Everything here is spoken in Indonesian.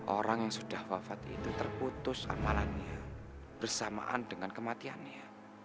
orang yang sudah wafat itu terputus amalannya bersamaan dengan kematiannya